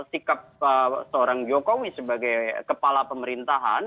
sikap seorang jokowi sebagai kepala pemerintahan